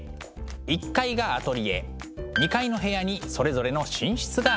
１階がアトリエ２階の部屋にそれぞれの寝室がありました。